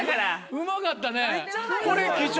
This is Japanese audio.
うまかったねこれ。